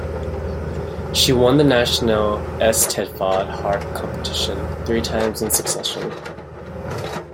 She won the National Eisteddfod harp competition three times in succession.